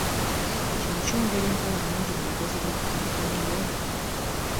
Kino kyongera enkolagana ennungi mu bakozi ba kkampuni yo?